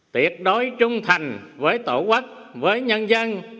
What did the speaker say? tuyệt đối trung thành với tổ quốc với nhân dân